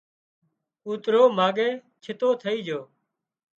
ڪوترو ماڳئي ڇتو ٿئي جھو